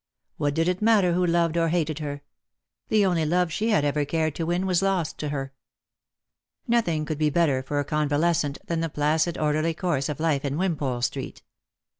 What did it matter who loved or hated her ? The only love she had ever cared to win was lost to her. Nothing could be better for a convalescent than the placid, orderly course of life in Wimpole street.